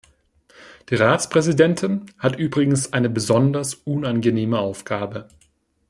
Die Ratspräsidentin hat übrigens eine besonders unangenehme Aufgabe.